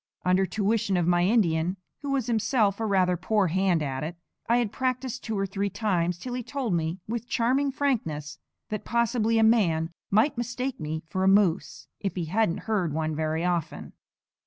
Under tuition of my Indian (who was himself a rather poor hand at it) I had practised two or three times till he told me, with charming frankness, that possibly a man might mistake me for a moose, if he hadn't heard one very often.